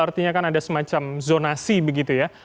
artinya kan ada semacam zonasi begitu ya